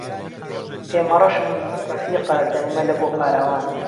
پێمهڕهشم رهفیقه دایمه له بۆ پاراوان